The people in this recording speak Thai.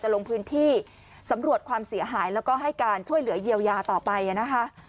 ลงพื้นที่สำรวจความเสียหายแล้วก็ให้การช่วยเหลือเยียวยาต่อไปนะคะ